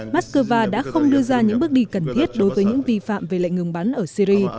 mắc cơ va đã không đưa ra những bước đi cần thiết đối với những vi phạm về lệnh ngừng bắn ở syri